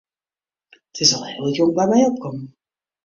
It is al heel jong by my opkommen.